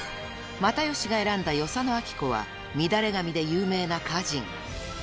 ［又吉が選んだ与謝野晶子は『みだれ髪』で有名な歌人］